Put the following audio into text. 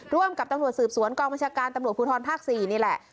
ร่วมกับตำรวจสืบสวนกองบัญชาการตำรวจภูทรภาค๔นี่แหละ